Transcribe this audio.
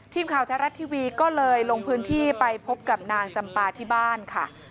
ทีมข่าวแท้รัฐทีวีก็เลยลงพื้นที่ไปพบกับนางจำปาที่บ้านค่ะ